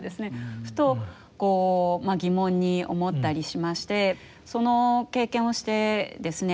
ふと疑問に思ったりしましてその経験をしてですね